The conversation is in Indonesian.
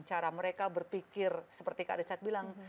cara mereka berpikir seperti kak richard bilang